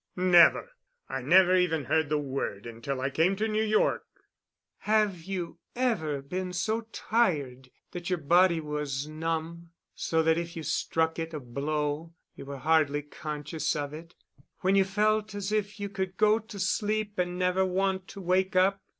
"Never. I never even heard the word until I came to New York." "Have you ever been so tired that your body was numb—so that if you struck it a blow you were hardly conscious of it, when you felt as if you could go to sleep and never want to wake up?